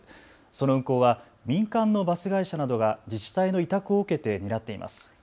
その運行は民間のバス会社などが自治体の委託を受けて担っています。